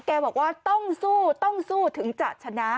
แกบอกว่าต้องสู้ต้องสู้ถึงจะชนะ